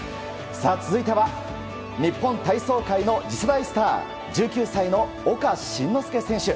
続いては日本体操界の次世代スター１９歳の岡慎之助選手。